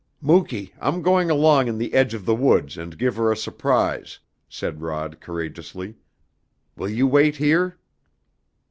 "Muky, I'm going along in the edge of the woods and give her a surprise," said Rod courageously. "Will you wait here?"